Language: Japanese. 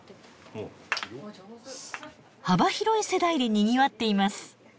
幅広い世代でにぎわっています。